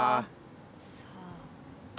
さあ。